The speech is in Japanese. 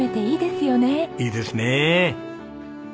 いいですね。